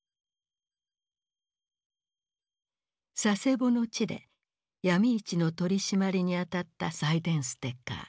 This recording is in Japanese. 佐世保の地で闇市の取締りに当たったサイデンステッカー。